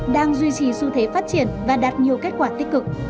đang duy trì xu thế phát triển và đạt nhiều kết quả tích cực